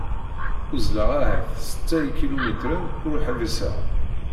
Uzzleɣ ahat setta ikilumitren ur ḥbiseɣ.